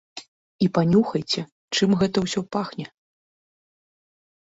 І панюхайце, чым гэта ўсё пахне.